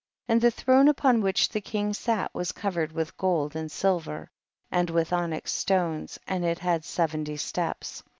43. And the throne upon which the king sat was covered with gold and silver, and with onyx stones, and it had seventy steps.